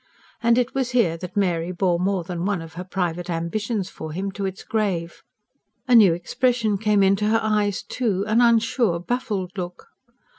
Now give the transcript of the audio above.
And it was here that Mary bore more than one of her private ambitions for him to its grave. A new expression came into her eyes, too an unsure, baffled look.